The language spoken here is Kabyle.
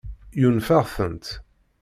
Ɣunfaɣ-tent.